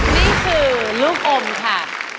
นี่คือลูกอมค่ะ